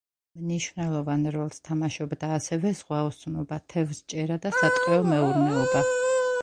მნიშვნელოვან როლს თამაშობდა ასევე ზღვაოსნობა, თევზჭერა და სატყეო მეურნეობა.